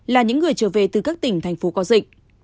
là những người trở về từ các tỉnh thành phố có dịch